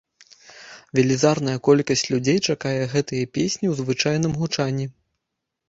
Велізарная колькасць людзей чакае гэтыя песні ў звычайным гучанні.